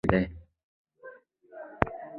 میرویس نیکه مقبره په کوم ځای کې ده؟